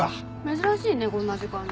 珍しいねこんな時間に。